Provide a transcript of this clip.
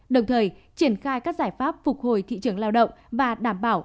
đồng thời triển khai các giải pháp phục hồi thị trường lao động và đảm bảo an sinh xã hội